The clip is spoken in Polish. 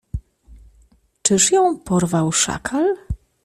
Czyż ją porwał szakal?